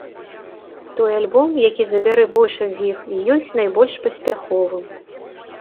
Той альбом, які забярэ большасць з іх, і ёсць найбольш паспяховым.